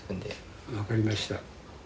分かりました。